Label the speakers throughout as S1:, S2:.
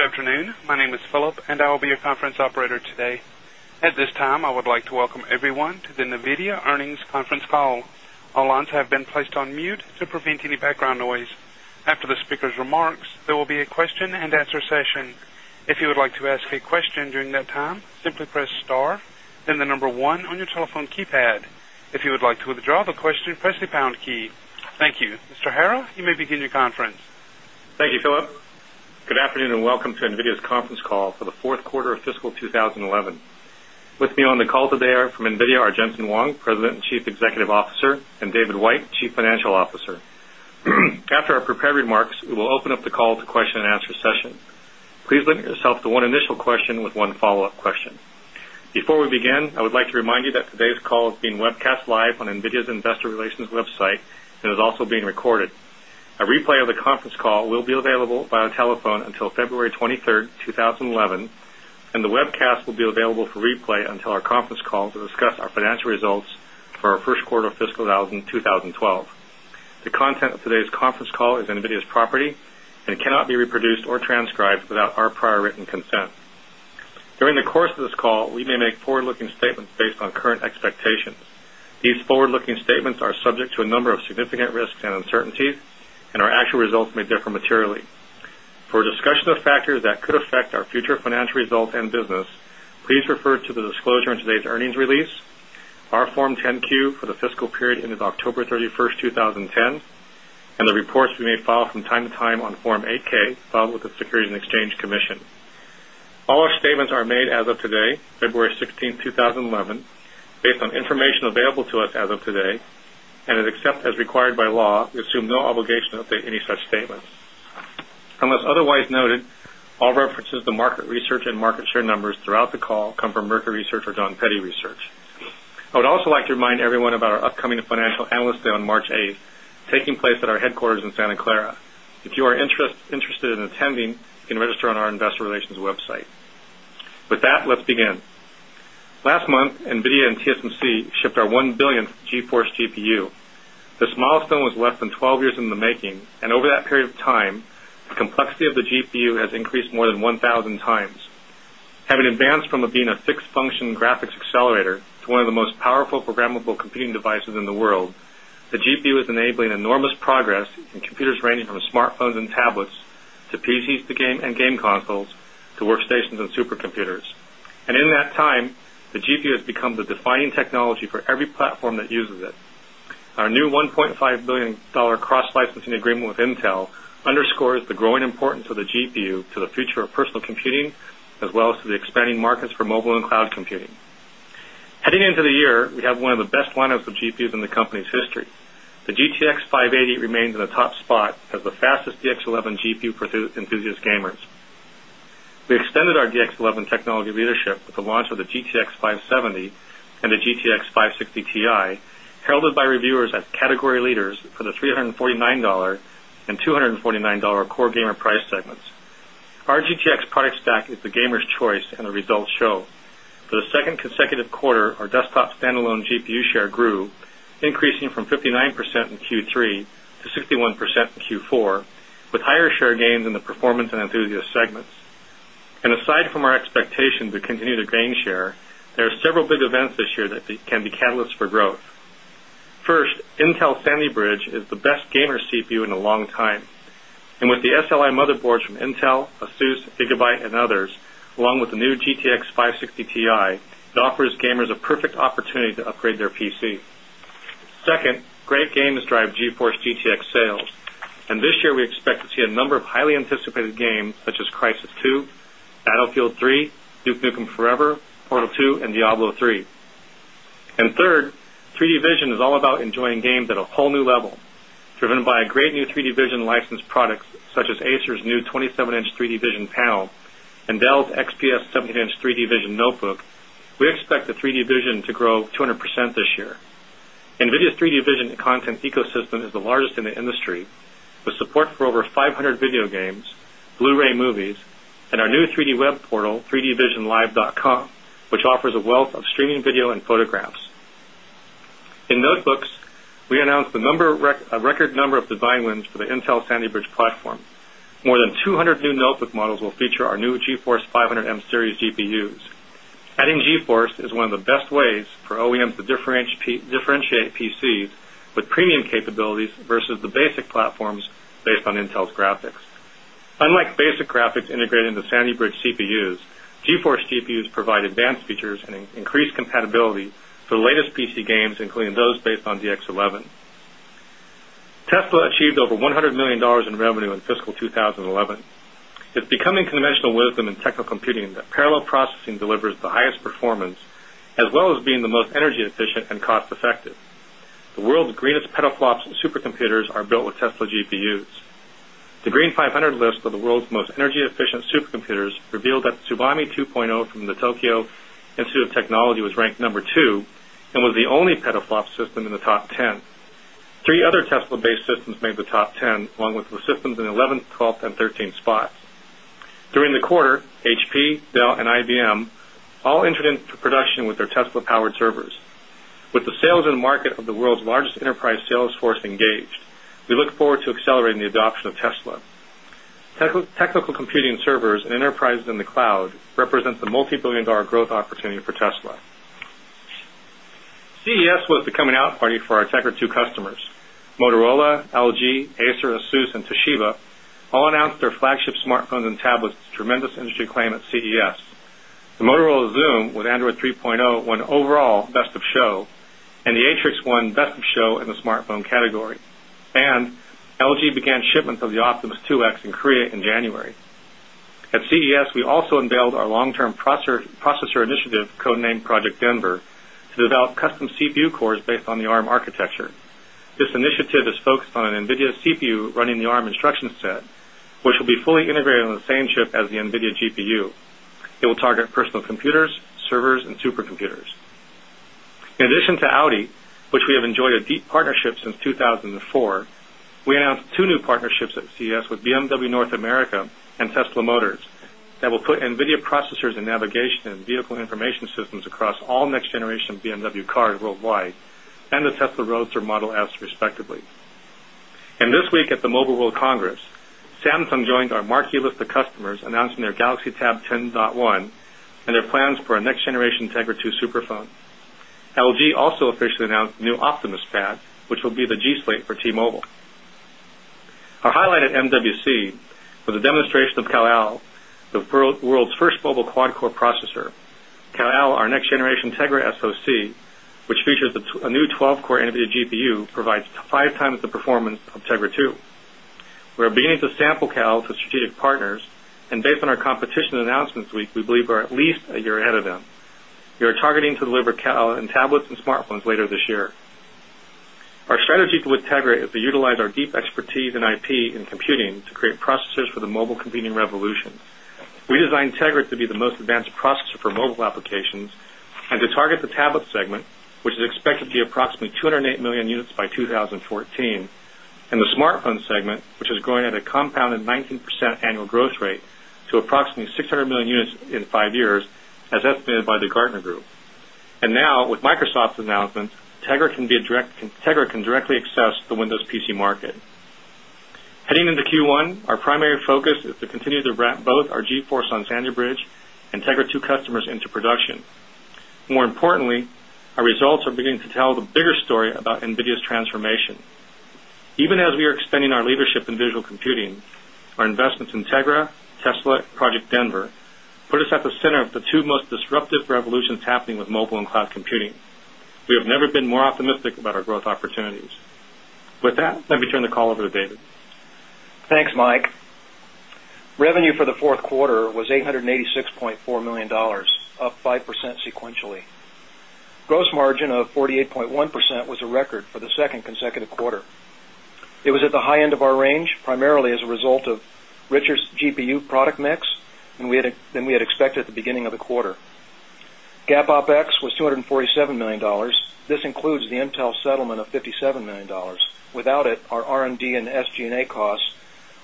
S1: Afternoon. My name is Philip and I will be your conference operator today. At this time, I would like to welcome everyone to the Navidea Earnings Conference Call. All lines have Thank you. Mr. Haro, you may begin your conference.
S2: Thank you, Philip. Good afternoon and welcome to NVIDIA's conference call for the Q4 of fiscal 2011. With me on the call today from NVIDIA are Jensen Huang, President and Chief Executive Officer and David White, Chief Financial Officer. After our prepared remarks, we will open up the call to question and answer session. Please limit yourself to one initial question with one follow-up question. Before we begin, I would like to remind you that today's call is being webcast live on NVIDIA's Investor Relations website and is also being recorded. A replay of the conference call will be available via telephone until February 23, 2011, and the webcast will be available for replay until our conference call to discuss our financial results for our Q1 of fiscal 2012. The content of today's conference call is NVIDIA's property and cannot be reproduced or transcribed without our prior written consent. During the course of this call, we may make forward looking statements based on current expectations. These forward looking statements are subject to a number of significant risks and uncertainties and our actual results may differ materially. For a discussion of factors that could affect our future financial results and business, please refer to the disclosure in today's earnings release, our Form 10 Q for the fiscal period ended October 31, 2010 and the reports we may file from time to time on Form 8 ks filed with the Securities and Exchange Commission. All our statements are made as of today, February 16, 2011, based on information available to us as of today and except as required by law, we assume no obligation to update any such statements. Unless otherwise noted, all references to market research and market share numbers throughout the call come from Mercury Research or Don Petty Research. I would also like to remind everyone about our upcoming Financial Analyst Day on March 8, taking place at our headquarters in Santa Clara. If you are interested in attending, you can register on our Investor Relations website. With that, let's begin. Last month NVIDIA and TSMC shipped our 1,000,000,000 GeForce GPU. This milestone was less than 12 years in the making and over that period of time, the complexity of the GPU has increased more than one 1000 times. Having advanced from being a fixed function graphics accelerator to one of the most powerful programmable computing devices in the world, the GPU is enabling enormous
S3: progress in
S2: computers ranging from smartphones and tablets to PCs to game and game consoles to workstations and supercomputers. And in that time, the GPU has become the defining technology for every platform that uses it. Our new $1,500,000,000 cross licensing agreement with Intel underscores the growing importance of the GPU to the future of personal computing as well as to the expanding markets for mobile and cloud computing. Heading into the year, we have one of the best lineups of GPUs in the company's history. The GTX 580 remains in the top spot as the fastest DX11 GPU for enthusiast gamers. We extended our DX11 technology with the launch of the GTX 570 and the GTX 560 Ti, heralded by reviewers as category leaders for the 3.40 $9 $2.49 core gamer price segments. Our GTX product stack is the gamers choice and the results show. For the 2nd consecutive quarter, our desktop standalone GPU share grew increasing from 59% in Q3 to 61% in Q4 with higher share gains in the performance and enthusiast segments. And aside from our expectations to continue to gain share, there are several big events this year that can be catalyst for growth. 1st, Intel Sandy Bridge is the best gamer CPU in a long time. And with the SLI motherboards from Intel, ASUS, and others along with the new GTX 560 TI, it offers gamers a perfect opportunity to upgrade their PC. 2nd, great game is driving GeForce GTX sales. And this year we expect to see a number of highly anticipated games such as Crisis 2, Battlefield 3, Duke Nukem Forever, Portal 2 and Diablo 3. And 3rd, 3 d vision is all about enjoying games at a whole new level, driven by a great new 3 d Vision licensed products such as Acer's new 27 inches 3 d Vision panel and Dell's XPS 17 inches 3 d Vision notebook, we expect the 3 d Vision to grow 200% this year. NVIDIA's 3 d Vision content ecosystem is the largest in the industry with support for over 500 video games, Blu ray movies and our new 3 d web portal 3dvisionlive.com, which a wealth of streaming video and photographs. In notebooks, we announced a record number of divine wins for Intel Sandy Bridge platform. More than 200 new notebook models will feature our new GeForce 500M series GPUs. Adding GeForce is one of the best ways for OEMs to differentiate PCs with premium capabilities versus the basic platforms based on Intel's graphics. Unlike basic graphics integrated into Sandy Bridge CPUs, GeForce GPUs provide advanced features and compatibility for the latest PC games including those based on DX11. Tesla achieved over $100,000,000 in revenue in fiscal 2011. It's becoming conventional wisdom in technical computing that parallel processing delivers the highest performance as well as being the most energy efficient and cost effective. The world's greatest petaflops and supercomputers are built with Tesla GPUs. The Green 500 list of the world's most energy efficient supercomputers revealed that Tsubami 2.0 from the Tokyo Institute of Technology was ranked number 2 and was the only petaflop system in the top 10. 3 other Tesla based systems made the top 10 along with the systems in 11th, 12th and 13 spots. During the quarter, HP, Dell and IBM all entered into production with their Tesla powered servers. With the sales in the market of the world's largest enterprise sales force engaged, we look forward to accelerating the adoption of Tesla. Technical Computing Servers and Enterprises in the cloud represents a multi $1,000,000,000 growth opportunity for Tesla. CES was the coming out party for our Tecker 2 customers. Motorola, LG, Acer, Asus and Toshiba all announced their flagship smartphones and tablets to tremendous industry claim at CES. The Motorola Zoom with Android 3.0 won overall best of show and the AtriX won best of show in the smartphone category. And LG began shipments of the Optimus 2X in Korea in January. At CES, we also unveiled our long term processor initiative codenamed project Denver to develop custom CPU cores based on the ARM architecture. This initiative is focused on NVIDIA CPU running the ARM instruction set, which will fully integrated on the same chip as the NVIDIA GPU. It will target personal computers, servers and supercomputers. In addition to Audi, which we have enjoyed a deep a deep partnership since 2004, we announced 2 new partnerships at CES with BMW North America and Tesla Motors that will put NVIDIA processors and navigation and vehicle information systems across all next generation BMW cars worldwide and the Tesla Roadster Model S respectively. In this week at the Mobile World Congress, Samsung joined our marquee list of customers announcing their Galaxy Tab 10.1 and their plans for our next generation Tegra 2 superphone. LG also officially announced new Optimus Pad, which will be the G slate for T Mobile. Our highlight at MWC was a demonstration of Kalao, the world's 1st mobile quad core processor. Kalao, our next generation TEGRA SoC, which features a new 12 core NVIDIA GPU provides 5 times the performance of to strategic partners and based on our competition announcements week we believe are at least a year ahead of them. We are targeting to deliver CAL tablets and smartphones later this year. Our strategy with Tegra is to utilize our deep expertise in IP and computing to create processors for the mobile convenient revolution. We Tegrid to be the most advanced processor for mobile applications and to target the tablet segment, which is expected to be approximately 208,000,000 units by 20 14 and the smartphone segment which is growing at a compounded 19% annual growth rate to approximately 600,000,000 units in 5 years as estimated by the Gartner Group. And now with Microsoft's announcements, TEGRA can directly access the Windows PC market. Heading into Q1, our primary focus is to continue to wrap both our GeForce on Sandy Bridge and TEGRA2 customers into production. More importantly, our results are beginning to tell the bigger story about NVIDIA's transformation. Even as we are revolutions happening with mobile and cloud computing. We have never been more optimistic about our growth opportunities. With that, let me turn the call over to David.
S4: Thanks, Mike. Revenue for the Q4 was $886,400,000 up 5% sequentially. Gross margin of 48.1% was a record for the 2nd consecutive quarter. It was at the high end of our range, primarily as a result of Richard's GPU product mix than we had expected at the beginning of the quarter. GAAP OpEx was $247,000,000 This includes the Intel settlement of $57,000,000 Without it, our R and D and SG and A costs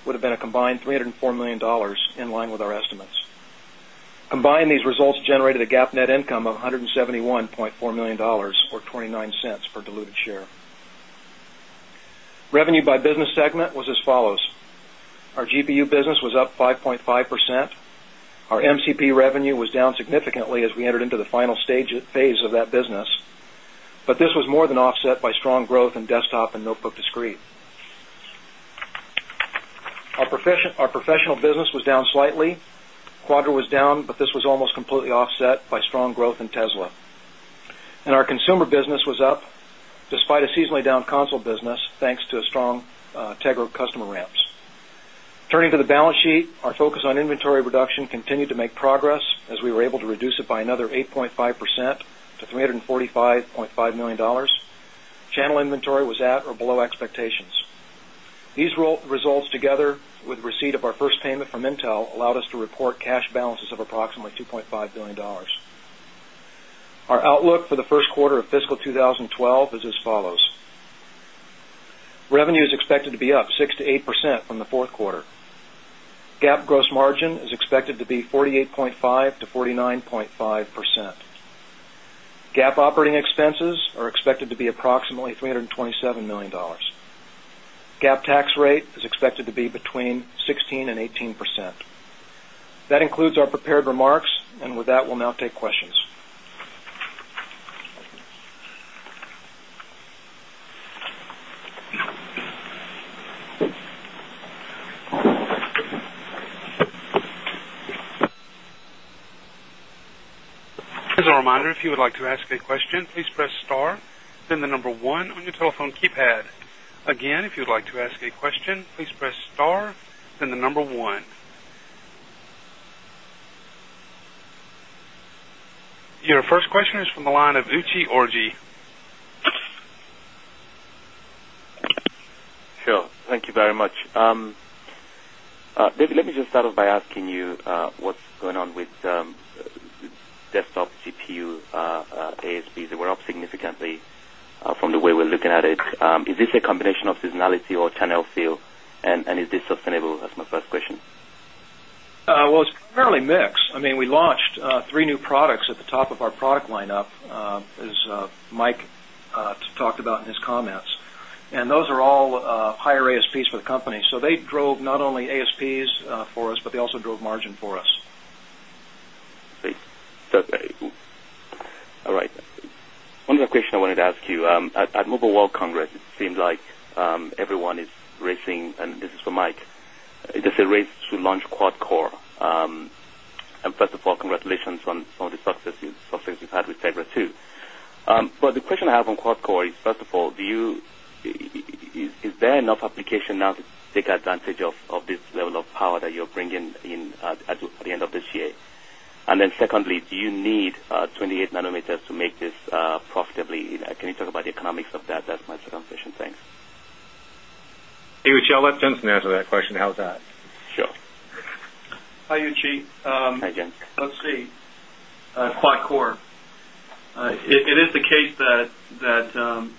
S4: would have been a combined $304,000,000 in line with our estimates. Combined these results generated a GAAP net income of $171,400,000 or $0.29 per diluted share. Revenue by business segment was as follows. Our GPU business was up 5.5%. Our MCP revenue was down significantly as we entered into the final stage phase of that business, but this was more than offset by strong growth in desktop and notebook discrete. Our professional business was down slightly, Quadro was down, but this was almost completely offset by strong growth in Tesla. And our consumer business was up despite a seasonally down console business, thanks to strong TEGRO customer ramps. Turning to the balance sheet, our focus on inventory reduction continue to make progress as we were able to reduce it by another 8.5 percent to $345,500,000 Channel inventory was at or below expectations. These results together with receipt of our first payment from Intel allowed us to report cash balances of approximately $2,500,000,000 Our outlook for the quarter of fiscal 2012 is as follows. Revenue is expected to be up 6% to 8% from the 4th quarter. GAAP gross margin is expected to be 48.5 percent to 49.5 percent. GAAP operating expenses are expected be approximately $327,000,000 GAAP tax rate is expected to be between 16% 18%. That includes our prepared remarks. And with that, we'll now take questions.
S1: Your first question is from the line of Uchi Orji.
S2: Sure. Thank you very much.
S5: David, let me just start off asking you what's going on with desktop GPU ASPs. They were up significantly from the way we're looking at it. Is this a combination of a combination of seasonality or channel feel? And is this sustainable? That's my first question.
S4: Well, it's primarily mix. We launched 3 new products at the top of our product lineup, as Mike talked about in his comments. And those are all higher ASPs for the company. So they drove not only ASPs for us, but they also drove margin for us.
S5: All right. One other question I wanted to ask you. At Mobile World Congress, it seems like everyone is racing and this is for Mike. Is this a race to launch I have on Quad Core is, first of all, do you is there enough application now to take advantage of this level of power that you're bringing in at the end of this year? And then secondly, do you need 28 nanometers to make this profitably? Can you talk about the economics of that? That's my suggestion. Thanks.
S2: Hey, Uchi, I'll let Jen answer that question. How is that? Sure. Hi, Yuqi. Hi, Jen.
S6: Let's see. Quad Core, it is the case that the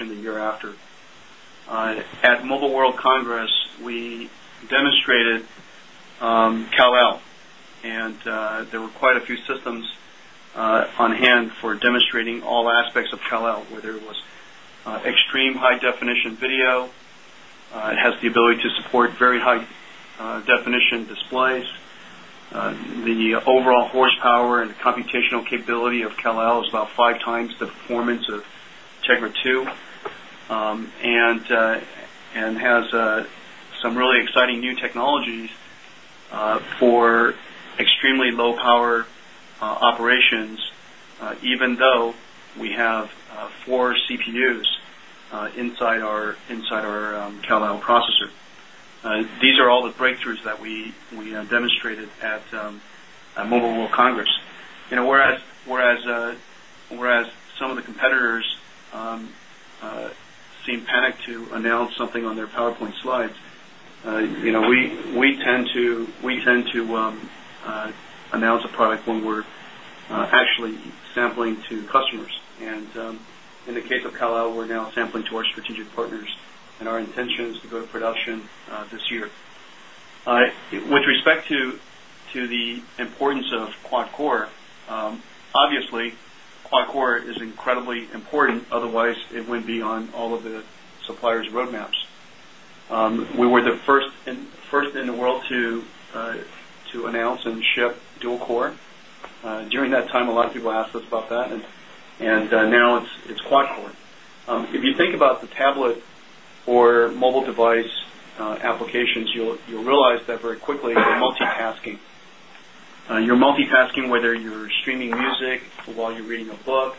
S6: the year after. At Mobile World Congress, we demonstrated Cal L and there were quite a few systems on hand for demonstrating all aspects of Kalau, whether it was extreme high definition video, it has the ability to support very high definition displays. The overall horsepower and computational capability of Cal L is about 5x the performance of TEGRA 2 and has some really exciting new technologies for extremely low power operations, even though we have 4 CPUs inside our Intel IO processor. These are all the breakthroughs that we demonstrated at Mobile World Congress. Whereas some of the competitors seem panicked to announce something on their PowerPoint slides, we tend to announce a product when we're this year. With respect to the this year. With respect to the importance of quad core, obviously quad core is incredibly important otherwise it wouldn't be on all of the suppliers' roadmaps. We were the 1st in the world to announce and ship dual core. During that time, a lot of people asked us about that and now it's quad core. If you think about the tablet or mobile device applications, you'll realize that very quickly they're multitasking. You're multitasking whether you're streaming music while you're reading a book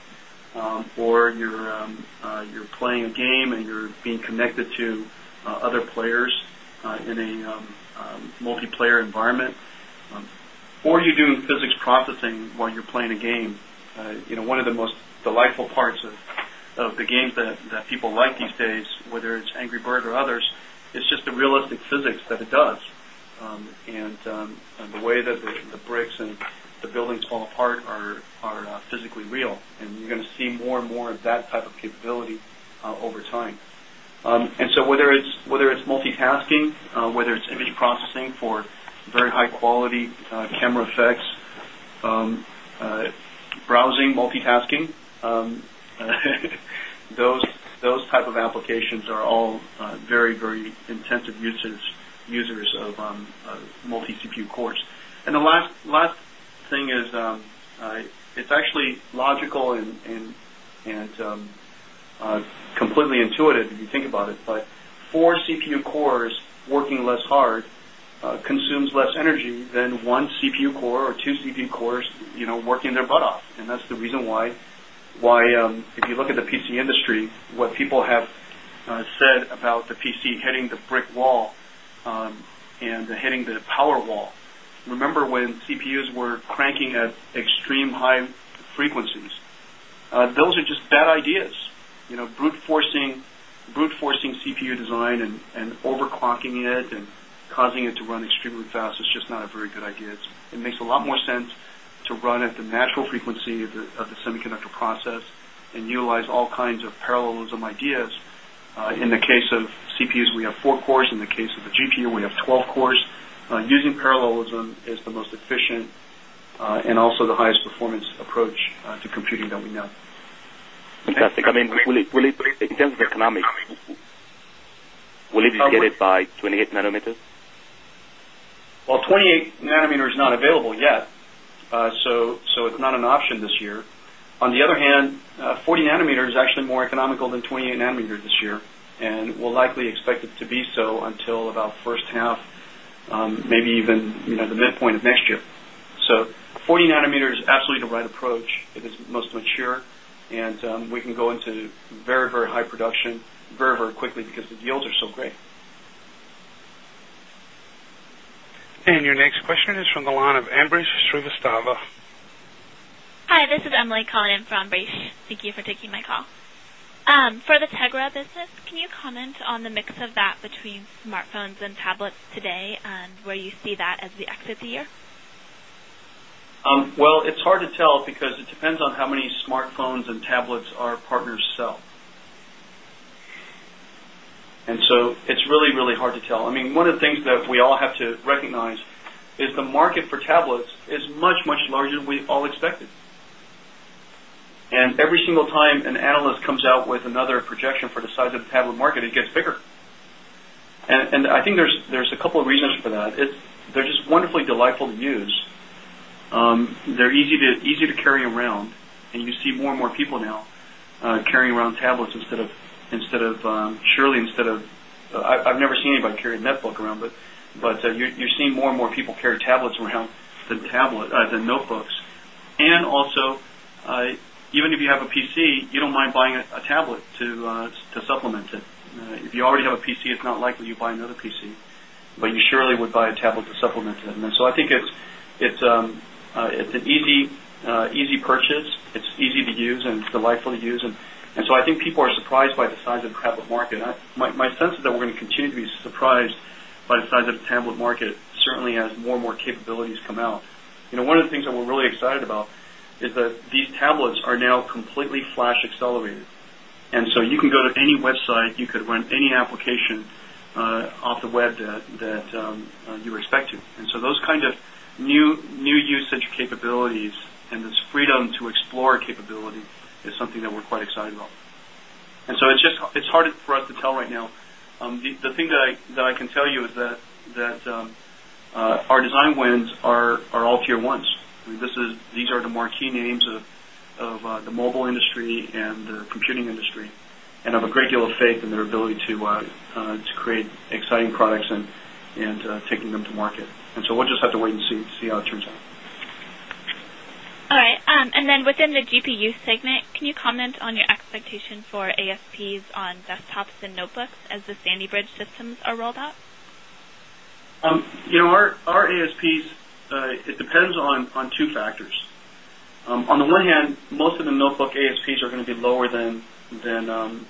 S6: or you're playing a game and you're being connected to other players in a physics processing while you're playing a game. 1 of the most physics processing while you're playing a game. One of the most delightful parts of the games that people like these days, whether it's Angry Birds or others, it's just the realistic physics that it does. And the way that the bricks and the buildings fall apart are physically real and you're going to see more and more that type of capability over time. And so whether it's multitasking, whether it's image processing for of applications are all very, very intensive users of multi CPU cores. And last thing is, it's actually logical and completely intuitive if you think about it. But 4 CPU cores working less hard consumes less energy than 1 CPU core or 2 CPU cores working their butt off. And that's the reason why if you look at the PC industry, what people have said about the PC hitting the brick wall and hitting the power wall. Remember when CPUs were cranking at extreme high frequencies. Those are just bad ideas. Brute forcing CPU design and overclocking it and causing it to run extremely fast, it's just not a very good idea. It makes a lot more sense to run at the natural frequency of the semiconductor process and utilize all kinds of parallelism ideas. In the case of CPUs, we have 4 cores, in the case of the GPU, we have 12 cores. Using parallelism is the most efficient and also the highest performance approach to computing that we know.
S5: I mean, will it in terms of economics, will it be get it by 28 nanometer?
S6: Well, 28 nanometer is not available yet. So it's not an option this year. On the other hand, 40 nanometer is actually more economical than 28 nanometer this year and we'll likely expect it to be so until about first half, maybe even the midpoint of next year. So 40 nanometer is absolutely the right approach if it's most mature and we can go into very, very high production very, very quickly because the yields are so great.
S1: And your next question is from the line of Ambrish Srivastava.
S7: Hi. This is Emily calling in for Ambrish. Thank you for taking my call. For the TEGRA business, can you comment on the mix of that between smartphones and tablets today and where you see that as we exit the year?
S6: Well, it's hard to tell because it depends on how many smart phones and tablets our partners sell. And so it's really, really hard to tell. I mean, one of the things that we all have to recognize is the market for tablets is much, much larger than we all expected. And every single time an analyst comes out with another projection for the size of the tablet market, it gets bigger. And I think there's a couple of reasons for that. They're just wonderfully delightful to use. They're easy to carry around and you see more and more people now around tablets instead of surely instead of I've never seen anybody carry a net book around, but you're seeing more and more people carry tablets around the tablet the notebooks. And also even if you have a PC, you don't mind buying a tablet to it's it's an easy purchase. It's easy to use and delightful to use. And so I think people are surprised by the size of tablet market. My sense is that we're going to continue to be surprised
S2: by the size of the
S6: tablet market certainly as more and more capabilities come out. One of the things that we're really excited about is that these tablets are now completely flash accelerated. And so you can go to any website, you could run any application off the web that you respect to. And so those kind of new usage capabilities and this freedom to explore capability is something that we're quite excited about. And so it's just it's hard for us to tell right now. The thing that I can tell you is that our design wins are all Tier 1s. These are the marquee names of the mobile industry and the computing industry and have a great deal of faith in their ability to create exciting products and taking them to market. And so we'll just
S3: have to wait and see how it turns out.
S7: All right. And then within the GPU segment, can you comment on your expectation for ASPs on desktops and notebooks as the Sandy Bridge systems are rolled out?
S6: Our ASPs, it depends on 2 factors. On the one hand, most of the notebook ASPs are going to be lower than the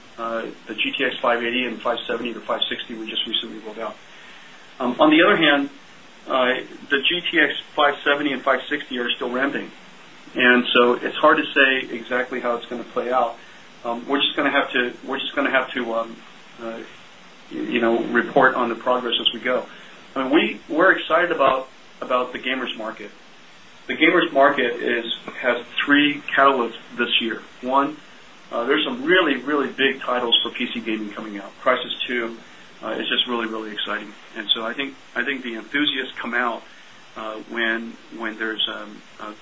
S6: GTX 580 and 570 to 560 we just recently rolled out. On the other hand, the GTX 570 560 are still ramping. And so it's hard to say exactly how it's going to play out. We're just going to have to report on the progress as we go. We're excited about the gamers market. The gamers market has 3 catalysts this year. One, there's some really, really big titles for PC gaming coming out. Crysis 2 is just really, really exciting. And so I think the enthusiasts come out when there's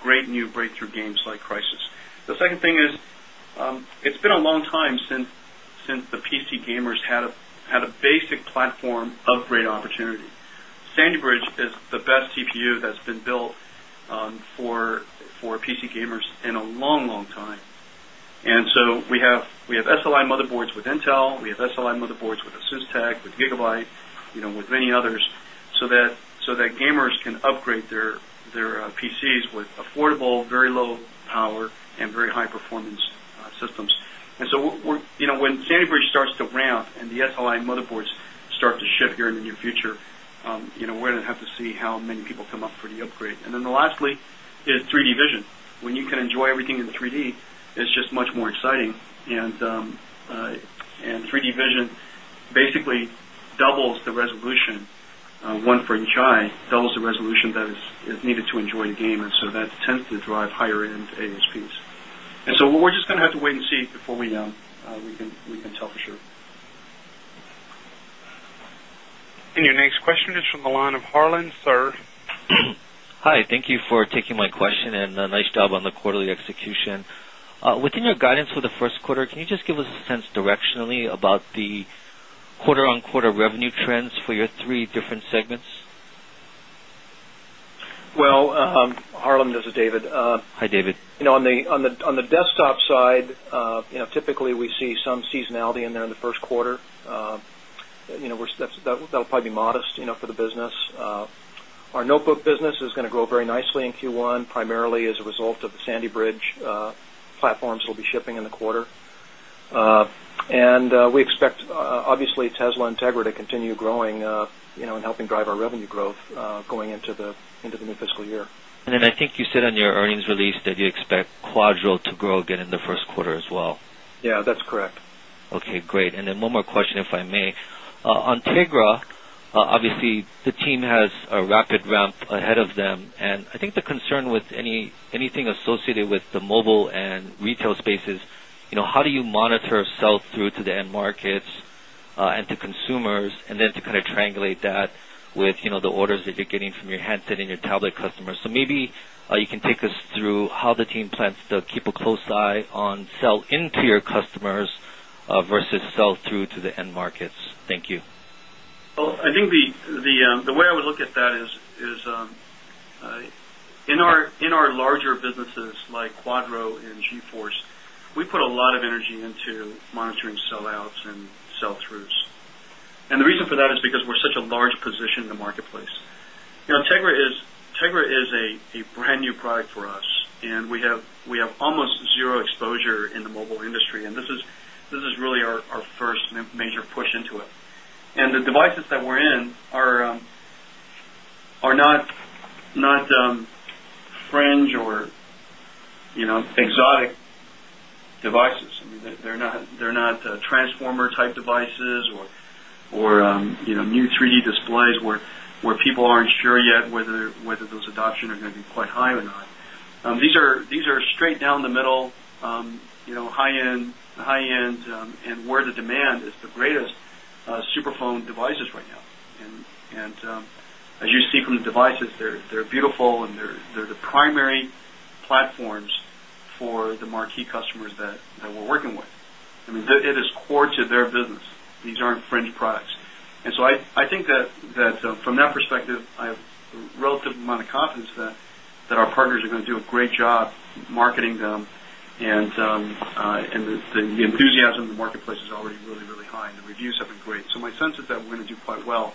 S6: great new breakthrough games like Crysis. The second thing is, it's been a long time since the PC gamers had a basic platform upgrade opportunity. Sandy Bridge is the best CPU that's been built for PC gamers in a long, long time. And so we have SLI motherboards with Intel, we have SLI motherboards with Asynstech, with Gigabyte, with many others, so that gamers can upgrade their PCs with affordable, very low power and very high performance systems. And so when Sandy Bridge starts to ramp and the SLI motherboards start to shift here in the near future, we're going to have to see how many people come up for the upgrade. And then lastly is 3 d vision. When you can enjoy everything in the 3 d, it's just much more exciting. And 3 d vision basically doubles the resolution, 1 for Inchai, doubles the resolution that is needed to enjoy the game. And so that tends to drive higher end ASPs. And so we're just going to have to wait and see before we know, can tell for sure.
S1: And your next question is from the line of Harlan Sur.
S8: Hi. Thank you for taking my question and nice job on the quarterly execution. Within your guidance for the Q1, can you just give us a sense directionally about the quarter on quarter revenue trends for your 3 different segments?
S4: Well, Harlan, this is David.
S8: Hi, David.
S4: On the desktop side, typically we see some seasonality in there in Q1. That will probably modest for the business. Our notebook business is going to grow very nicely in Q1, primarily as a result of the Sandy Bridge platforms we'll be shipping in the quarter. And we expect obviously Tesla and Integra to continue growing and helping drive our revenue growth going into the new fiscal year.
S8: And then I think you said on your earnings release that you expect Quadro grow again in the Q1 as well?
S6: Yes, that's correct.
S8: Okay, great. And then one more question if I may. On Tigra, obviously the team has a rapid ramp ahead of them. And I think the concern with anything associated with the mobile and retail spaces, how do you monitor sell through to the end markets and to consumers and then to kind of triangulate that with the orders that you're getting from your handset and your tablet customers. So maybe you can take us through how the team plans to keep a close eye on sell into your customers versus sell through to the end markets? Thank you.
S6: I think the way I would look at that is in our larger businesses like Quadro and GeForce, we put a lot of energy into monitoring sellouts and sell throughs. And the reason for that is because we're such a large position in the marketplace. Tegra is a brand new product for us and we have almost zero exposure in the mobile industry and this is really our first major push into it. And the devices that we're in are not fringe or exotic devices. I mean, they're not transformer type devices or new three d displays where people aren't sure yet whether those adoption are going to be quite high or not. These are straight down the middle, high end and where the demand is the greatest superphone devices right now. And as you see from the devices, they're beautiful and they're the primary platforms for the marquee customers that we're working with. I mean, it is core to their business. These aren't fringe products. And so I think that from that perspective, I have relative amount of confidence that our partners are going to do a great job marketing them and the enthusiasm in the marketplace is already really, really high and the reviews have been great. So my sense is that we're going to do quite well.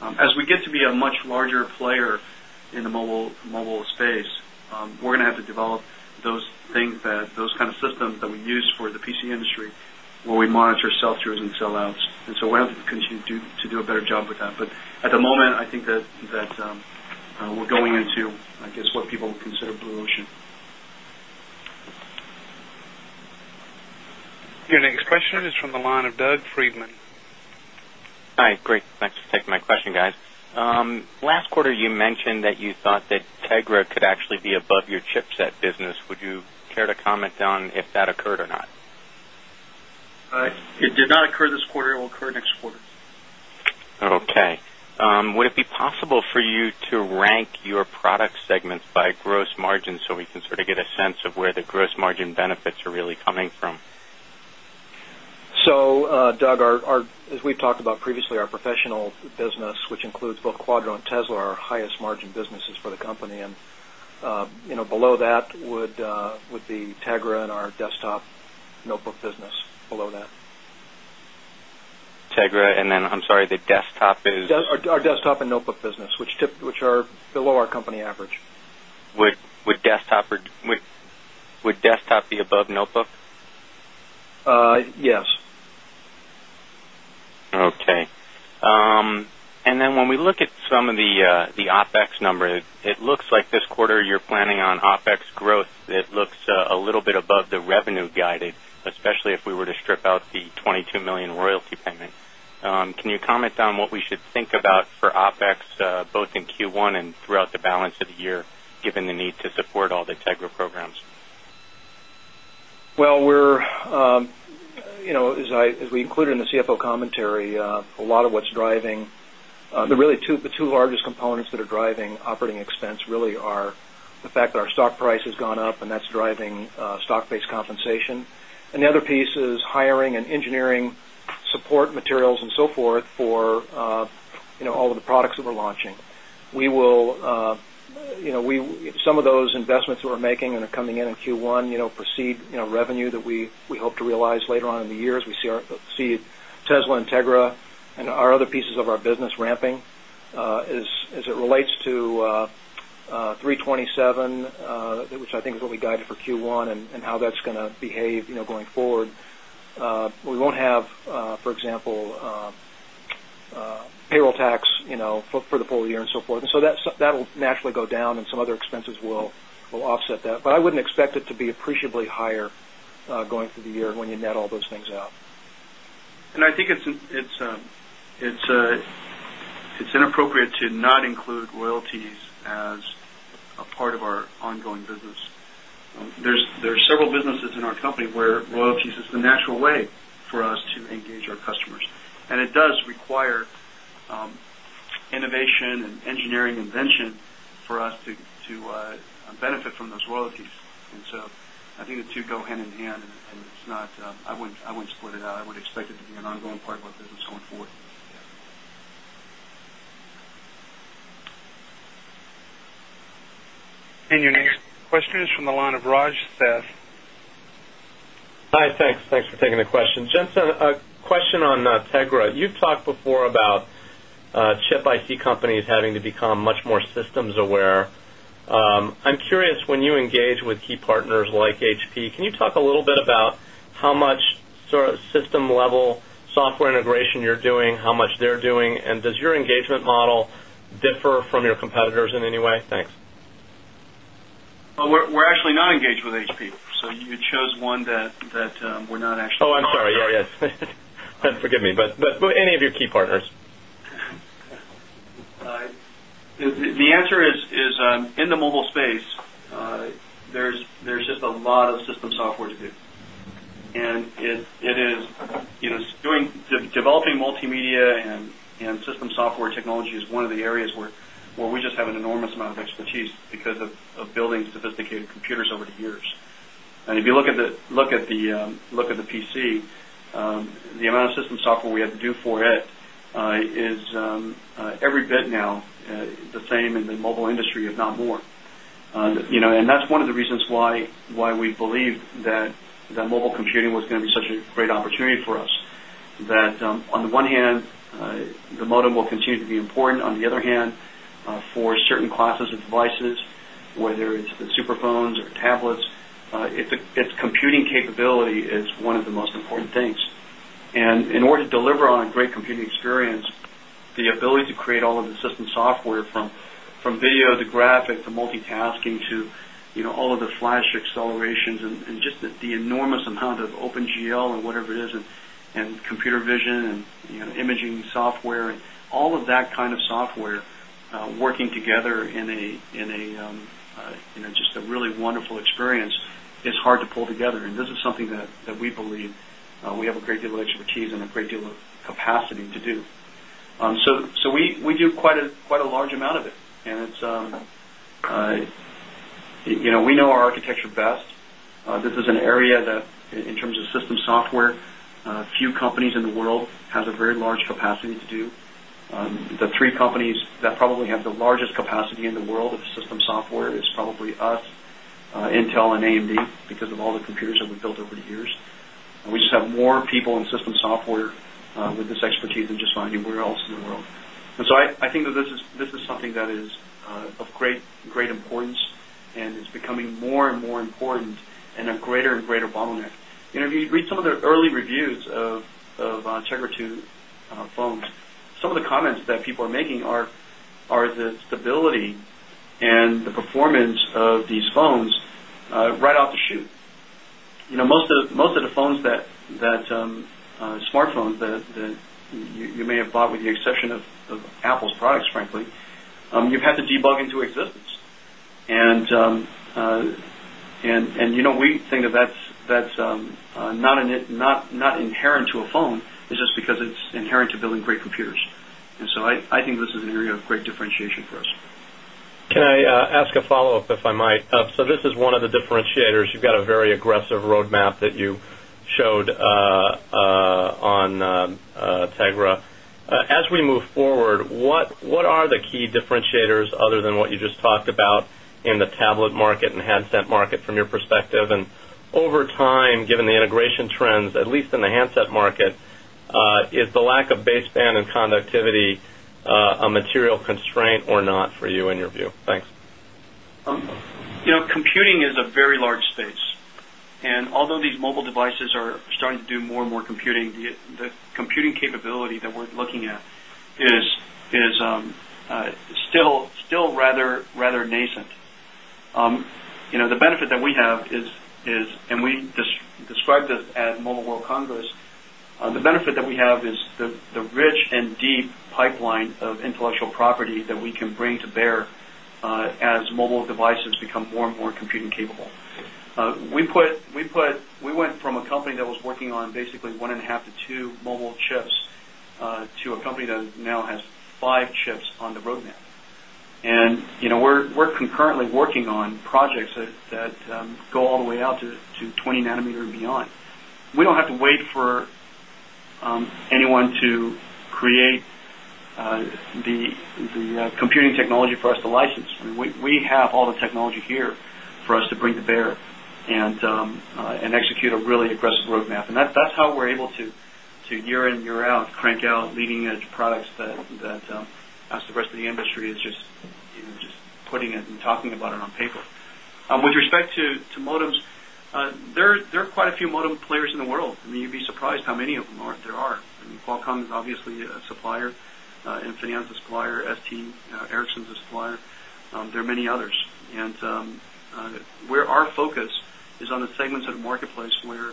S6: As we get to be a much larger player in the mobile space, we're going to have to develop those things that those kind of systems that we use for the PC industry where we monitor sell throughs and sell outs. And so we have to continue to do a better job with that. But at the moment, I think that we're going into, I guess, what people would consider Blue Ocean.
S1: Your next question is from the line of Friedman.
S9: Hi, great. Thanks for taking my question guys. Last quarter you mentioned that you thought that TEGRA could actually be above your chipset business. Would you care to comment on if that occurred or not?
S6: It did not occur this quarter, it will occur next quarter.
S9: Okay. Would it be possible for you to rank your product segments by gross margin, so we can sort of get a sense of where the gross margin benefits are really
S3: coming from?
S4: So, Doug, as we've talked about previously, our professional business, which includes both Quadro and Tesla are highest margin businesses for the company. And below that would be Tegra and our desktop notebook business
S9: below that. Tegra and then I'm sorry the desktop
S4: is Our desktop and notebook business, which are below our company average.
S9: Would desktop be above notebook?
S4: Yes.
S9: And then when we look at some of the OpEx numbers, it looks like this quarter you're planning on OpEx growth that looks a little bit above the revenue guided, especially if we were to strip out the $22,000,000 royalty payment. Can you comment on what we should think about for OpEx both in Q1 and throughout the balance of the year given the need to support all the TEGRA programs?
S2: Well, we're
S4: as we included in the CFO commentary, a lot of what's driving the really the 2 largest components that are driving operating expense really are the fact that our stock price has gone up and that's driving stock based compensation. And the other piece is hiring and engineering support materials and so forth for all of the products that we're launching. We will some of those investments we're making and are coming in Q1 proceed revenue that we hope to realize later on in the year as we see Tesla Integra and our other pieces of our business ramping as it relates to 327, which I think is what we guided for Q1 and how that's going to behave going forward. We won't have, for example, payroll tax for the full year and so forth. And so that will naturally go down and some other expenses will offset that. But I wouldn't expect it to be appreciably higher going through the year when you net all those things out.
S6: And I it's inappropriate to not include royalties as a part of our ongoing business. There are several businesses in our company where royalties is the natural way for us to engage our customers. And it does require innovation and engineering invention for us to benefit from those royalties. And so I think the 2 go hand in hand and it's not I wouldn't split it out. I would expect it to be an ongoing part of our business going forward.
S1: And your next question is from the line of Raj Seth.
S2: Hi, thanks. Thanks for taking
S10: the question. Jensen, a question on Tegra. You've talked before about chip IC companies having to become much more systems aware. I'm curious when you engage with key partners like HP, can you talk a little bit about how much sort of system level software integration you're doing, how much they're doing? And does your engagement model differ from your competitors in any way? Thanks.
S6: We're actually not engaged with HP. So you chose one that we're not actually
S10: Oh, I'm sorry. Yes. Forgive me, but any of your key
S6: partners? The answer is in the mobile space, there's just a lot of system software to do. And it is doing developing multimedia and system software technology is one of the areas where we just have an enormous amount of expertise because of building sophisticated computers over the years. And if you look at the PC, the amount of system software we have to do for it is every bit now the same in the mobile industry, if not more. And that's one of the reasons why we believe that mobile computing was going to be such a great opportunity for us that on the one hand, the modem will continue to be important. On the other hand, for certain classes of devices, whether it's the phones or tablets, its computing capability is one of the most important things. And in order to deliver on a great computing experience, the ability to create all of the system software from video to graphic to multitasking to all of the flash accelerations and just the enormous amount of Open GL and whatever it is and computer vision and imaging software and all of that kind of software working together in a just a really wonderful experience is hard to pull together. And this is something that we believe we have a great deal of expertise and a great deal of capacity to do. So we do quite a large amount of it. And it's we know our architecture best. This is an area that in terms of system software, few companies in the world has a very large capacity to do. The 3 companies that probably have the largest capacity in the world of system software is probably us, Intel and AMD, because of all the computers that we've built over the years. And we just have more people in system software with this expertise than just not anywhere else in the world. And so I think that this is something that is of great importance and is becoming more and more important and a greater and greater bottleneck. If you read some of the early reviews of Checkatoo phones, some of the comments that people are making are the stability and the performance of these phones right off the chute. Most of the phones that smartphones that you may have bought with the exception of Apple's products, frankly, you've had to debug into existence. And we think that that's not inherent to a phone, it's just because it's inherent to building great computers. And so I think this is an area of great differentiation for us.
S3: Can I
S10: ask a follow-up, if I might? So this is one of the differentiators. You've got a very aggressive road the key differentiators other than what you just talked about in the tablet market and handset market from your perspective? And over time, given the integration trends, at least in the handset market, is the lack of baseband and conductivity a material constraint or not for you in your view? Thanks.
S6: Computing capability that we're looking at is still rather nascent. The benefit that we have is and we described this at Mobile World Congress, the benefit that we have is the rich and deep pipeline of intellectual property that we can bring to bear as mobile devices become more and more computing capable. We put we went from a company that was working on basically 1.5 to 2 mobile chips to a company that now has 5 chips on the roadmap. And we're concurrently working on projects that go all the way out to 20 nanometer and beyond. We don't have to wait for anyone to create the computing technology for us to license. We have all the technology here for us to bring to bear and execute a really aggressive roadmap. And that's how we're able to year in, year out crank out leading edge products that as the rest of the industry is just putting it and talking about it on paper. With respect to modems, there are quite a few modem players in the world. I mean, you'd be surprised how many of them there are. Qualcomm is obviously a supplier and finance is a supplier, ST, Ericsson is a supplier. There are many others. And where our focus is on the segments of the marketplace where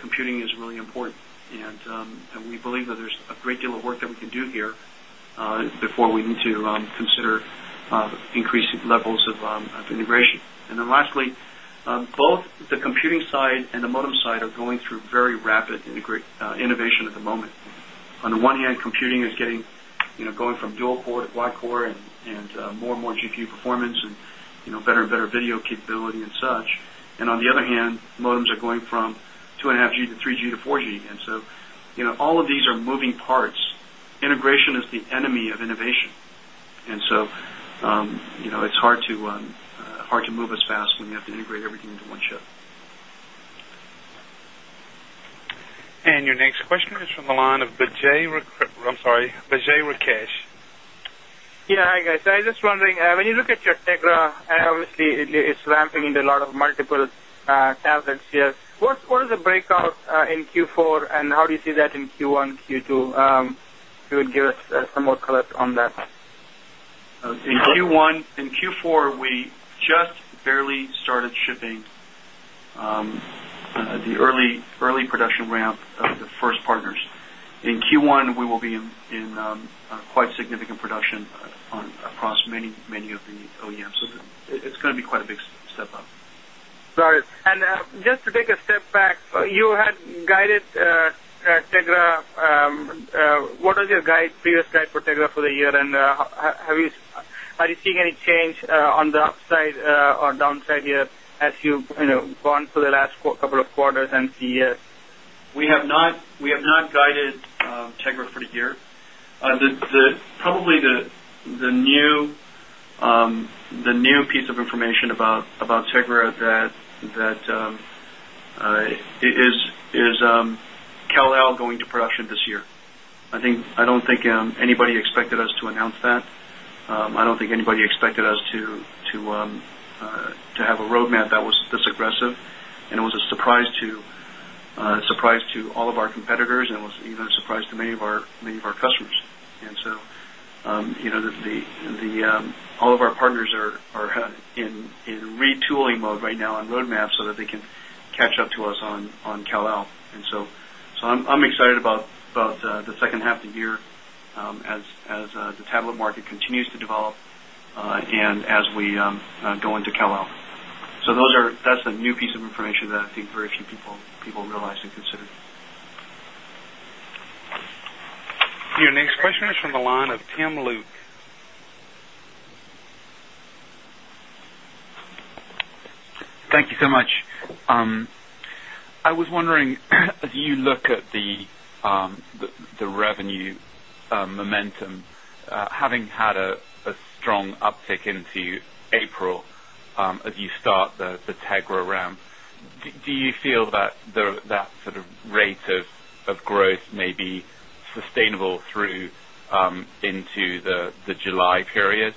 S6: computing is really important. And we believe that there's a great deal of work that we can do here before we need to consider increase levels of integration. And then lastly, both the computing side and the modem side are going through very rapid innovation better video and better and better video capability and such. And on the other hand, modems are going from 2.5 gs to 3 gs to 4 gs. And so all of these are moving parts. Integration is the enemy of innovation. And so it's hard to move as fast when you have to integrate everything into
S3: one ship.
S1: And your next question is from the line of
S11: Rakesh. Yes. Hi, guys. I was just wondering, when you look at your TEGRA, obviously, it's ramping into a lot of multiple tablets here. What is the breakout in Q4? And how do you see that in Q1, Q2? If you would give us some more color on
S6: that? In Q1, in Q4, we just barely started shipping the early production ramp of the first partners. In Q1, we will be in quite significant production across many of the OEMs.
S5: So it's
S6: going to be quite a big step up.
S11: Got it. And just to take a step back, you had guided What was your guide, previous guide for TEGRA for the year end? Have you are you seeing any change on the upside or downside here as you've gone through the last couple of quarters and
S6: see it? We have not guided TEGRA for the year. Probably the new piece of information about Segura that is Cal Al going to production this year. I think I don't think anybody expected us to announce that. I don't think anybody expected us to have a roadmap that was this aggressive. And it was a surprise to all of our competitors and it was even a surprise to many of our customers. And so, all of our partners are in retooling mode right now on road map so that they can catch up to us on Kal Al. And so I'm excited about the second half of the year as the tablet market continues to develop and as we go into Kellogg. So those are that's a new piece of information that I think very few people realize and consider.
S1: Your next question is from the line of Tim Luke.
S12: Thank you so much. I was wondering, as you look at the revenue momentum, having had a strong uptick into April as you start the TEGRA round, do you feel that sort of rate of growth may be sustainable through into the July period?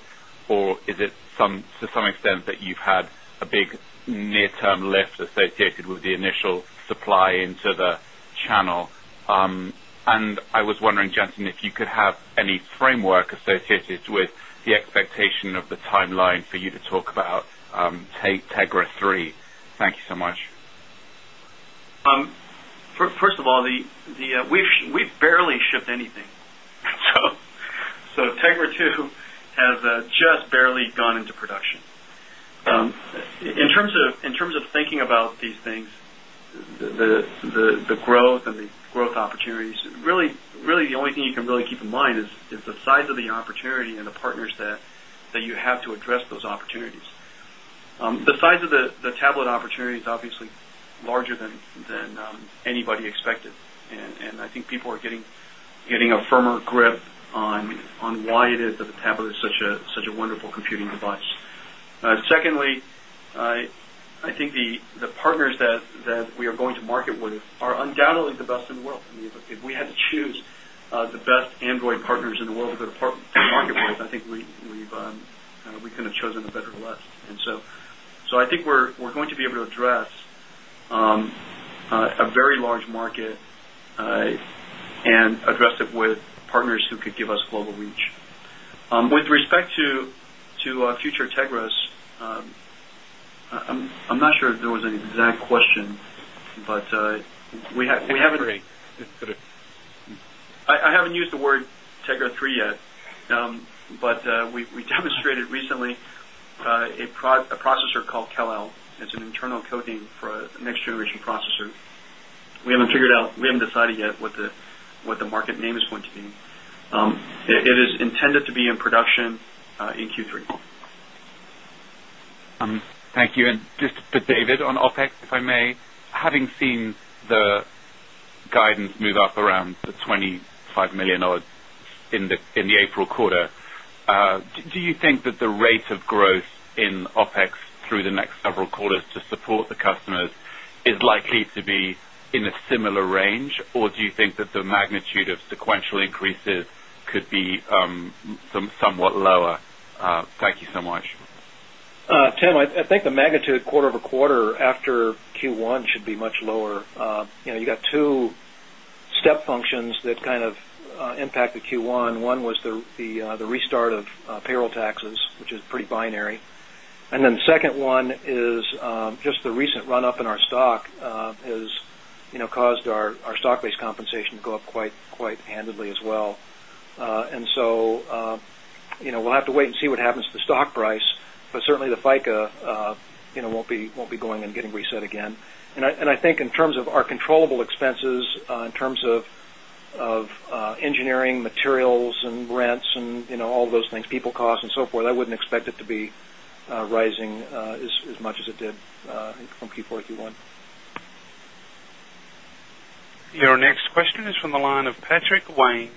S12: Or is it to some extent that you've had a big near term lift associated with the initial supply into the channel? And I was wondering, if you could have any framework associated with the expectation of the timeline for you to talk about
S6: these things, the growth opportunities, really the only thing you can really keep in mind is the size of the opportunity and the tablet opportunity is obviously larger than anybody expected. And I think people are getting a firmer grip on
S2: why it is
S6: that the tablet is such a wonderful computing device. Secondly, I think the partners that we are going to market with are undoubtedly the best in the world. If we had to choose the best Android partners in the world that are part
S2: of the market with,
S6: I think we've we could have chosen the better or less. And so, I think we're going to be able to address a very large market and address it with partners who could give us global reach. With respect to future TEGRAS, I'm not sure there was an exact question, but we haven't I haven't used the word TEGRA3 yet, but we demonstrated recently a processor called Cal L. It's an internal coding for the next generation processor. We haven't figured out we haven't decided yet what the market name is going to be. It is intended to be in production in Q3.
S12: Thank you. And for David on OpEx, if I may. Having seen the guidance move up around the $25,000,000 in the April quarter. Do you think that the rate of growth in OpEx through the next several quarters to support somewhat lower? Thank you so much.
S4: Tim, I think the magnitude quarter over quarter after Q1 should be much lower. You got 2 step functions that kind of impacted Q1. 1 was the restart of payroll taxes, which is pretty binary. And so we'll have to wait and see what happens to the stock price, but certainly the FICA won't be going and getting reset again. And I think in terms of our controllable expenses, in terms of engineering, materials and rents and all of those things, people costs and so forth, I wouldn't expect it to be rising as much as it did from Q4, Q1.
S1: Your next question is from the line of Patrick Wang.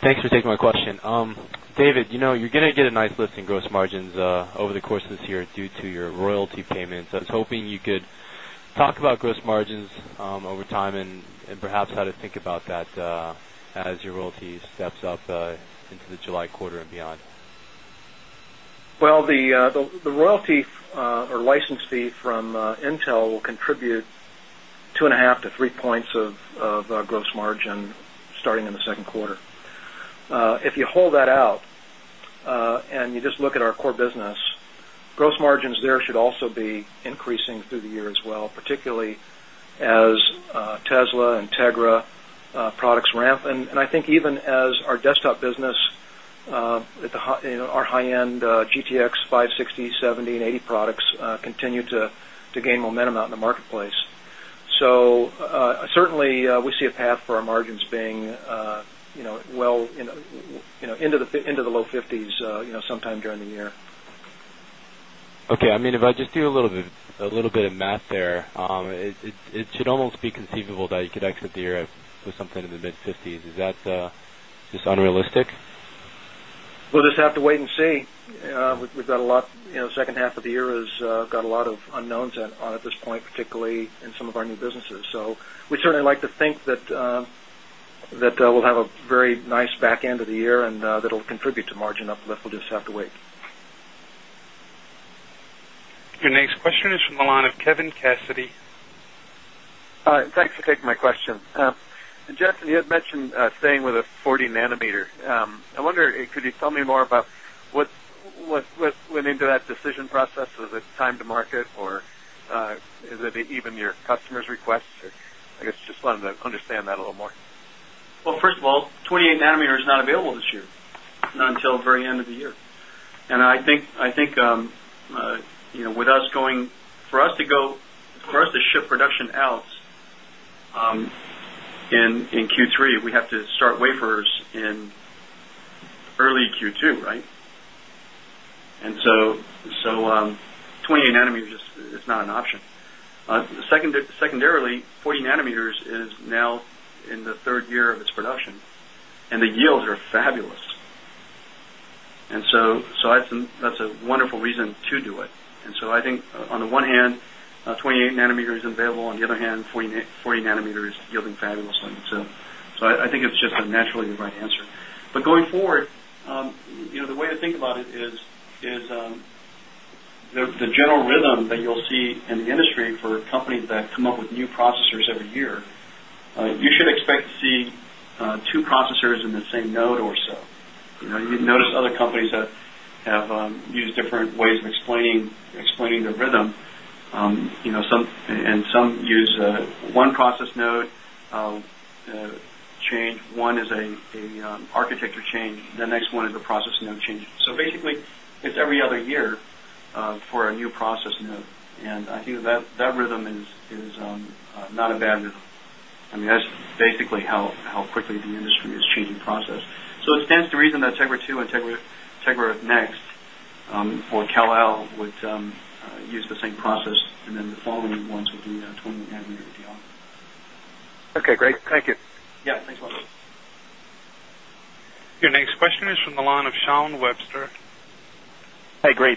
S13: Thanks for taking my question. David, you're going to get a nice lift in gross margins over the course of this year due to your royalty payments. I was hoping you could talk about gross margins over time and perhaps how to think about that as your royalty steps up into the July quarter and beyond?
S4: Well, the royalty or license fee from Intel will contribute 2.5 to 3 points of gross margin starting in the through the year as well, particularly as Tesla, Integra products ramp. And I think even as our desktop business, our high end GTX 560, 70, 80 products continue to gain momentum out in the marketplace. So certainly, we see a path for our margins being well into the low 50s sometime during the year.
S14: Okay. I mean,
S13: if I just do a little bit of math there, it should almost be conceivable that you could exit the year with something in the mid-50s. Is that just unrealistic?
S4: We'll just have to wait and see. We've got a lot second half of the year has got a lot of unknowns on at this point particularly in some of our new businesses. So we certainly like to think that we'll have a very nice back end of the year and that will contribute to margin up, but
S6: that will just have to wait.
S1: Your next
S6: I wonder could you tell me more about what went into that decision process? Is it time to market or is it even your customers request? I guess just wanted to understand that a little more. Well, first of all, 28 nanometer is not available this year, not until very end of the year. And I think with us going for us to go for us to ship production out in Q3, we have to start wafers in early Q2, right? And so, 28 nanometer is not an option. Secondarily, 40 nanometers is now in the 3rd year of its production and the yields are fabulous. And so that's a wonderful reason to do it. And so I think on the one hand, 28 nanometer is available on the other hand, 40 nanometer is giving fabulose. So I think it's just a naturally the right answer. But going forward, the way to think about it is the general rhythm that you'll see in the industry for companies that come up with new processors every year, you should expect to see 2 that have have used different ways of explaining their rhythm. And some use one process node change, one is an architecture change, the next one is a process node change. So basically, it's every other year for a new process node.
S14: And I
S6: think that rhythm is not a bad move. I mean, that's basically how quickly the reason that TEGRA2 and TEGRA NEXT for Cal L would use the same process and then the following ones would be 29 year deal.
S1: Your next question is from the line
S15: of Shawn Webster. A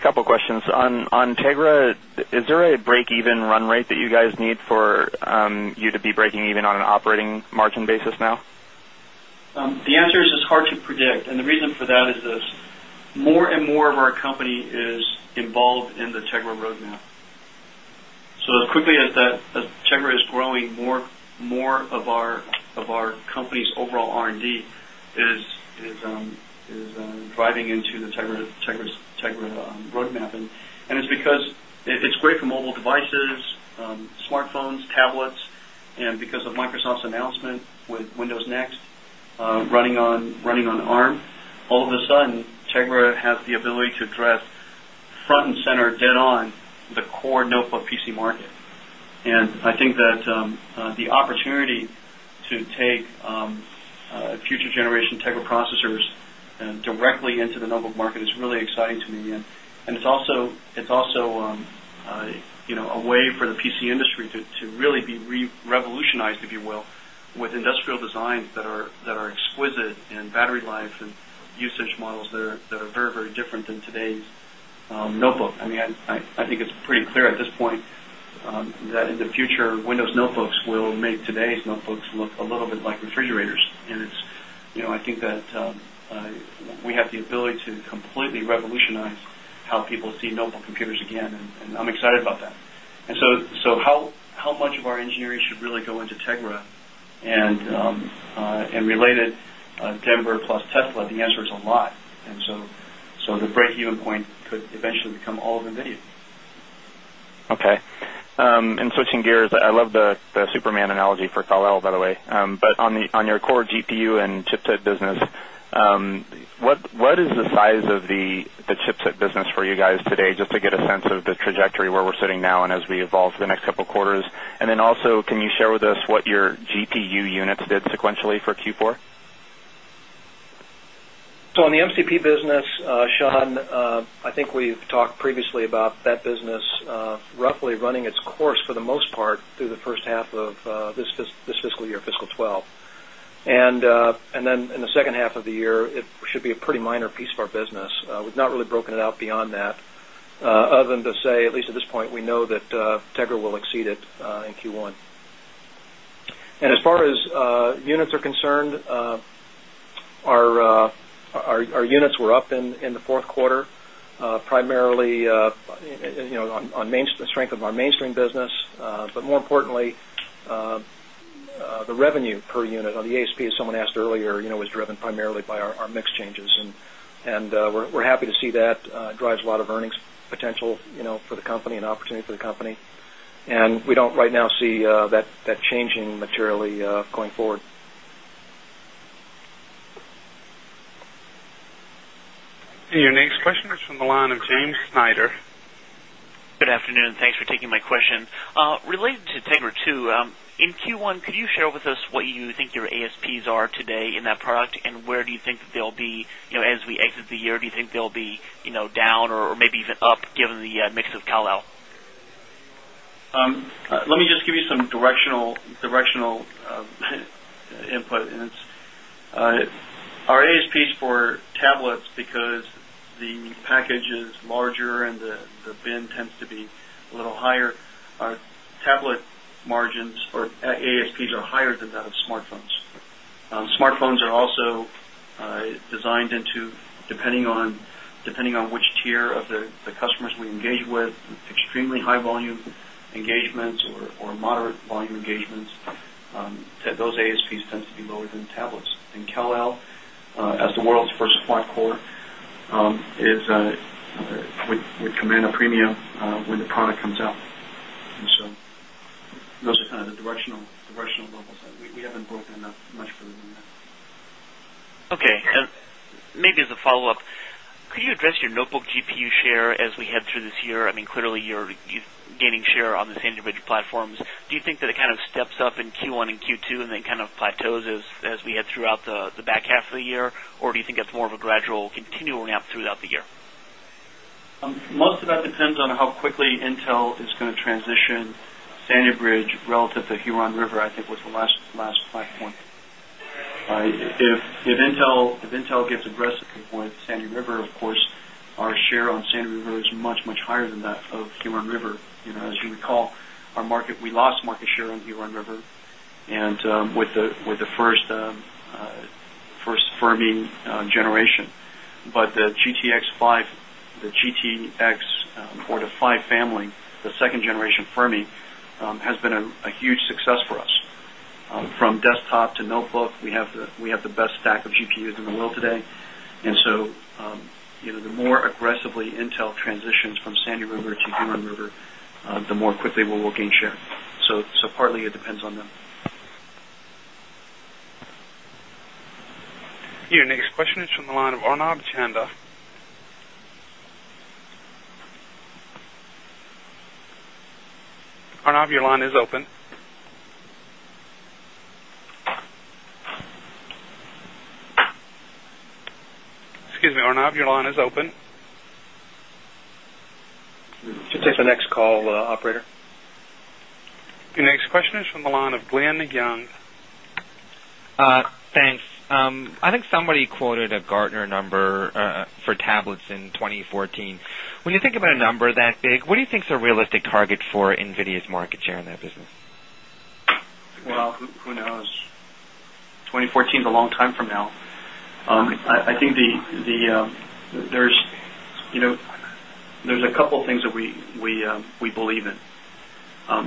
S15: couple of questions. On TEGRA, is there a breakeven run rate that you guys need for you to be breaking even on an operating margin basis now?
S6: The answer is it's hard to predict. And the reason for that is this, more and more of our company is involved in the TEGRA roadmap. So as quickly as that TEGRA is growing more of our company's overall R and D is driving into the Tegra road map. And it's because it's great for mobile devices, smartphones, tablets and because of Microsoft's announcement with Windows Next running on ARM, all of a sudden, Cheggura has the ability to the opportunity to take future generation Tegra Processors directly into the notebook market is really exciting to me. And it's also a way for the PC industry to really be revolutionized, if you will, with industrial designs that are exquisite in battery life and usage models that are very, very different than today's notebook. I mean, I think it's pretty clear at this point that in the future Windows notebooks will make today's notebooks look a little bit like refrigerators. And it's I think that we have the ability to completely revolutionize how people see notebook computers again, and I'm excited about that. And so how much of our engineering should really go into Tegra? And related, Denver plus Tesla, the answer is a lot. And so the breakeven point could eventually become all of NVIDIA.
S15: Okay. And switching gears, I love the Superman analogy for Carlyle, by the way. But on your core GPU and chipset business, what is the size of the chipset business for
S2: you guys today, just to get
S15: a sense of the trajectory where we're sitting now and as we evolve the next couple of quarters? And then also, can you share with us what your GPU units did sequentially for Q4?
S4: So on the MCP business, Sean, I think we've talked previously about that business roughly running its course for the most part through the first half of this fiscal year fiscal 'twelve. And then in the second half of the year, it should be a pretty minor piece of our business. We've not really broken it out beyond that other than to say at least at this point we know that TEGRA will exceed it in Q1. And as far as units are concerned, our units were up in the 4th quarter, primarily on the strength of our mainstream business, but more importantly, the revenue per unit on the ASP as someone asked earlier, was driven primarily by our mix changes. And we're happy to see that drives a lot of earnings potential for the company and opportunity for the company. And we don't right now see that changing materially going forward.
S1: Your next question is from the line of James Snyder.
S16: Good afternoon. Thanks for taking my question. Related to TEGR2, in Q1, could you share with us what you think your ASPs are today in that product and where do you think they'll be as we exit the year, do you think they'll be down or maybe even up given the mix of Kal El?
S6: Let me just you some directional input. Our ASPs for tablets because the package is larger and the BIN tends to be a little higher, our tablet margins or ASPs are higher than that of smartphones. Smartphones are also designed into depending on which tier of the customers we engage with, extremely high volume engagements or moderate volume engagements, those ASPs tend to be lower than tablets. And Cal Al, as the world's 1st supply core, is we command a premium when the product comes out. And so those are kind of the directional levels. We haven't broken that much further than that.
S16: Okay. And maybe as a follow-up, could you address your notebook GPU share as we head through this year? I mean, clearly you're gaining share on the San Dimitry platforms. Do you think that it kind of steps up in Q1 and Q2 and then kind of plateaus as we head throughout the back half of the year? Or do you think that's more of a gradual continuing up throughout the year?
S6: Most of that depends on how quickly Intel is going to transition Sanyo Bridge relative to Huron River, I
S4: think, was the last five point.
S6: If Intel gets aggressive with Sandy River, of course, our share on Sandy River is much, much higher than that of Huron River. As you recall, our market we lost market share on Huron River and with the first Fermi generation. But the GTX 5, the GTX the world today. And so, the more aggressively Intel transitions from Sandy River to Human River, the more quickly we will gain share. So, partly it depends on them.
S1: Your next question is from the line of Arnab Chandra. Arnab, your line is open.
S4: We'll take the next call, operator.
S1: Your next question is from the line of Glenn Young.
S15: I think somebody quoted a Gartner number for tablets in 2014. When you think about a number that big, what do you think is a realistic target for market share in that business?
S6: Well, who knows? 2014 is a long time from now. I think the there's a couple of things that we believe in.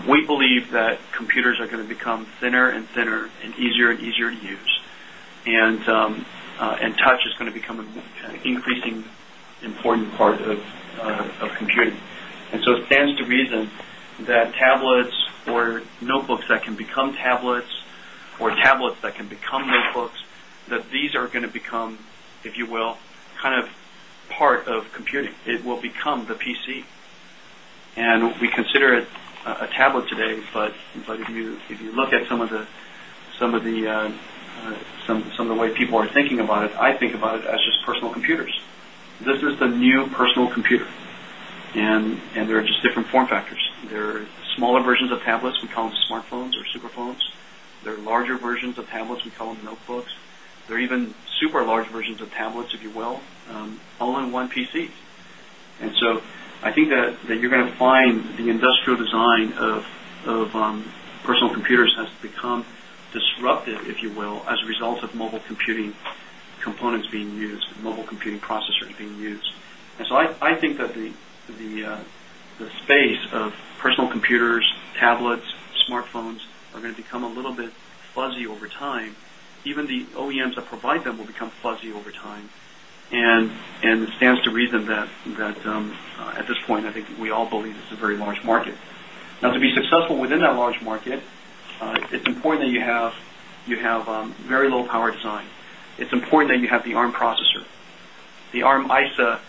S6: We believe that computers
S3: are going to become thinner and
S6: thinner and easier and easier to to become an increasing important part of computing. And so it stands to reason that tablets or notebooks that can become tablets or
S3: way people are thinking about it, I think about
S5: it as just personal computers.
S6: This is way people are thinking about it, I think about it as just personal computers. This is the new personal computer. And there are just different form factors. There are smaller versions of tablets, we call them smartphones or superphones. There are larger versions of tablets, we call them notebooks. There are even super large versions of tablets, if you will, all in one PC. And so I think that you're going to find the industrial design of personal computers has become disruptive, if you will, as a result of mobile computing components being used, mobile computing processors being used. And so I think that the stands to them will become fuzzy over time. And it stands to reason that at this point, I think we all believe it's a very large market. Now to be successful
S15: within that large market,
S6: ISA has The ARM ISA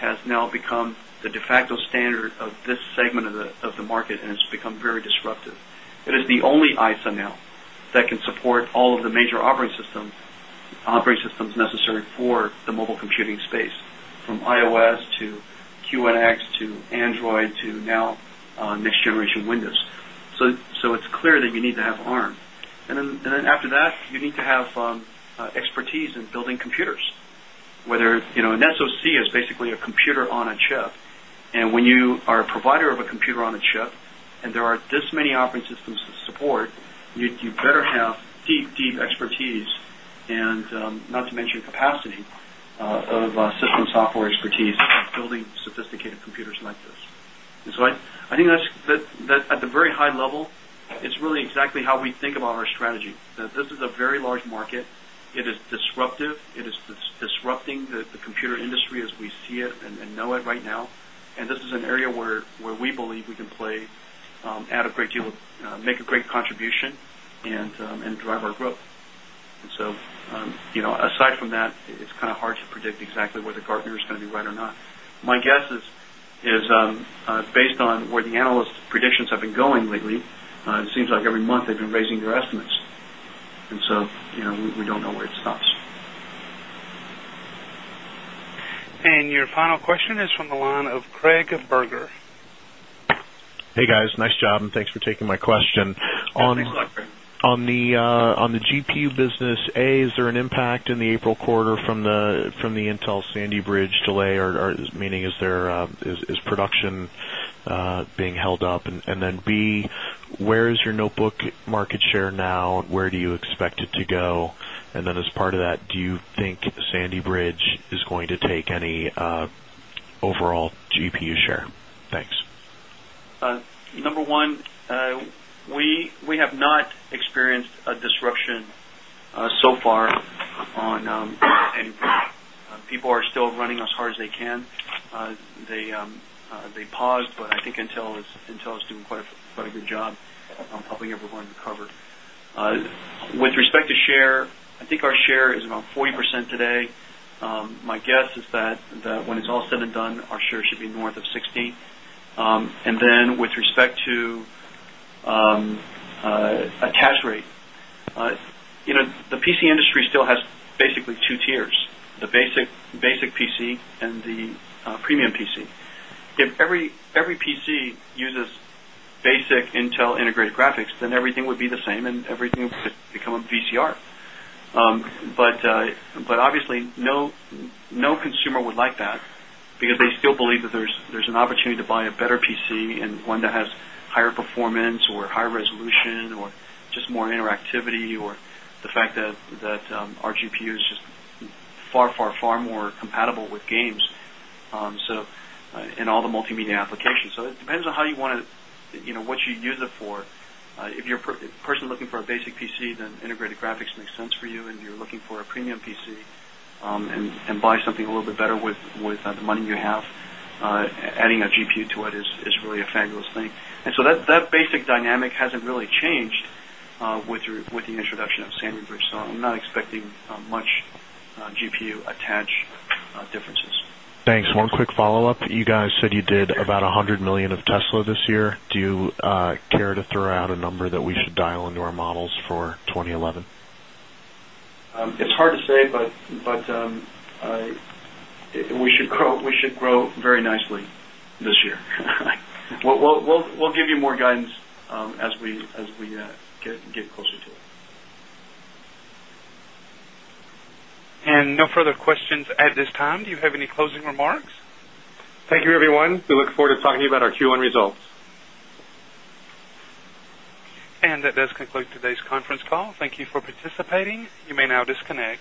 S6: has now become the de facto standard of this segment of the market and it's become very disruptive. It is the only ISA now that can support all of the major operating systems necessary for the mobile computing space from Ios to QNX to Android to now next generation Windows. So it's clear that you need to have ARM. And then after that, you need to have expertise in building computers, whether an SoC is basically a computer on a chip. And when you are a provider of a computer on a chip and there are this many operating systems to support, you better have deep, deep expertise and not to mention capacity of system software expertise building sophisticated computers like this. And so I think that's at the very high level, it's really exactly how we think about our strategy. This is a very large market. It is disruptive. It is disrupting the computer industry as we see it and know it right now. And this is an area where we believe we can add a great deal of make a great contribution and drive our growth. And so aside from that, it's hard to predict exactly whether Gartner is going to be right or not. My guess is based on where the analyst predictions have been going lately. It seems like every month they've been raising their estimates. And so we don't know where it stops.
S1: And your final question is from the line of Craig of Boerger.
S14: Hey guys, nice job and thanks for taking my question. Thanks
S9: a lot, Craig.
S14: On the GPU business, A, is there an impact in the April quarter from the Intel Sandy Bridge delay or meaning is there is production being held up? And then B, where is your notebook market share now? Where do you expect it to go? And then as part of that, do you think Sandy Bridge is going to take any overall GPU share?
S6: Number 1, we have not experienced a disruption so far on and people are still running as hard as they can. They paused, but I think Intel is doing quite a good job on helping everyone recover. With respect to share, I think our share is about 40% today. My guess is that when it's all said and done, our share should be north of 16%. And then with respect to a cash rate, the PC industry still has basically 2 tiers, the basic PC and the premium PC. If every PC uses basic Intel integrated graphics, then everything would be the same and everything would become a VCR. But obviously no consumer would like that, because they still believe that there's an opportunity to buy a better PC and one that has higher performance or higher resolution or just more interactivity or the fact that our GPU is just far, far, far more compatible with games, so in all the multimedia applications. So it depends on
S3: how you want to what you use it for. If you're a person
S6: looking for a basic PC, then integrated graphics makes sense for you and you're looking for a premium PC, and buy something a little bit better with the money you have, adding a GPU to it is really a fabulous thing. And so that basic dynamic hasn't really changed with the introduction of Sandy Bridge. So I'm not expecting much GPU attach differences.
S14: Thanks. One quick follow-up. You guys said you did about $100,000,000 of Tesla this year. Do you care to throw out a number that we should dial into our models for 2011?
S6: It's hard to say, but we should grow very nicely this year. We'll give you more guidance as we get closer to
S2: it.
S1: To it. And no further questions at this time. Do you have any closing remarks?
S2: Thank you, everyone. We look forward to talking about our Q1
S1: results. And that does conclude today's conference call. Thank you for participating. You may now disconnect.